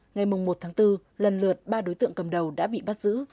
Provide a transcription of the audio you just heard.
ngày một tháng bốn lần lượt ba đối tượng cầm đầu đã bị bắt giữ